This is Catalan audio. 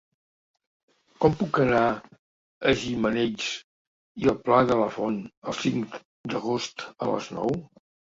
Com puc anar a Gimenells i el Pla de la Font el cinc d'agost a les nou?